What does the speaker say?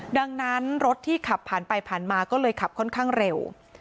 ดังนั้นรถที่ขับผ่านไปผ่านมาก็เลยขับค่อนข้างเร็ว